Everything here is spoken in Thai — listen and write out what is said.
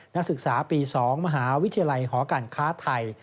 นักศึกษาปี๒มหาวิทยาลัยหอการค้าไทย